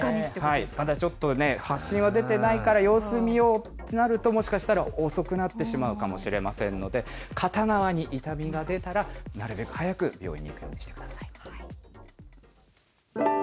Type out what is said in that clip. まだちょっと発疹が出てないから様子見ようとなると、もしかしたら遅くなってしまうかもしれませんので、片側に痛みが出たら、なるべく早く病院に行くようにしてください。